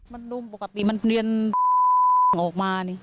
มันลุมปกติมันเรียนออกมานี่